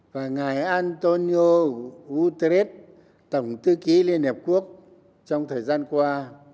và ngài antonio guterres tổng tư ký liên hợp quốc trong thời gian qua